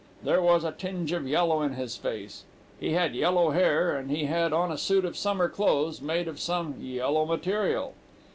There was a tinge of yellow in his face, he had yellow hair, and he had on a suit of summer clothes, made of some yellow material.